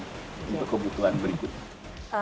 untuk kebutuhan berikutnya